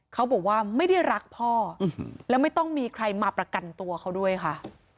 เขาบอกว่าไม่ได้รักพ่อแล้วไม่ต้องมีใครมาประกันตัวเขาด้วยค่ะ